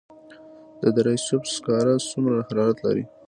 د دره صوف سکاره څومره حرارت لري؟